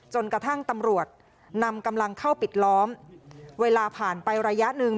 จนกระทั่งตำรวจนำกำลังเข้าปิดล้อมเวลาผ่านไประยะหนึ่ง